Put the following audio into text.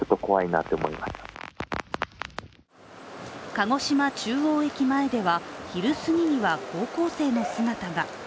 鹿児島中央駅前では、昼過ぎには高校生の姿が。